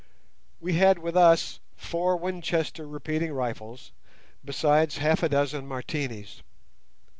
We had with us four Winchester repeating rifles, besides half a dozen Martinis.